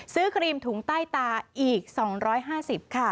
ซื้อครีมถุงใต้ตาอีก๒๕๐บาทค่ะ